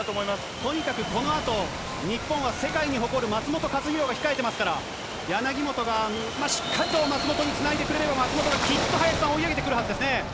とにかくこのあと、日本は世界に誇る松元克央が控えてますから、柳本がしっかりと松元につないでくれれば、松元がきっと林さん、追い上げてくるはずですね。